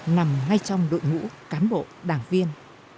nằm ngay trong đội ngũ cán bộ đảng viên